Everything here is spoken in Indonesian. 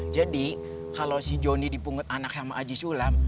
jadi kalau si joni dipungut anak sama aji sulam